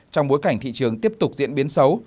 trong bối cảnh thị trường tiếp tục diễn biến xấu